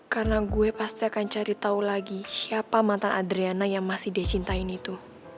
karena gue pasti akan cari tahu lagi siapa mantan adriana yang masih dia cintain itu